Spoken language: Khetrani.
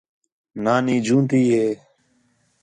نانی جیون٘دی ہے